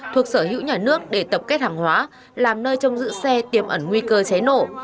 thuộc sở hữu nhà nước để tập kết hàng hóa làm nơi trong dự xe tiềm ẩn nguy cơ cháy nổ